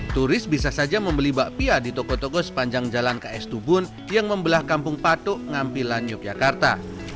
turis bisa saja membeli bakpia di toko toko sepanjang jalan ks tubun yang membelah kampung patok ngampilan yogyakarta